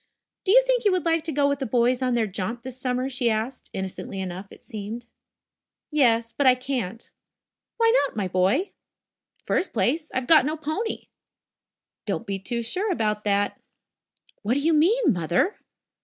"Do you think you would like to go with the boys on their jaunt this summer?" she asked, innocently enough, it seemed. "Yes, but I can't." "Why not, my boy?" "First place, I've got no pony." "Don't be too sure about that." "What do you mean, Mother!"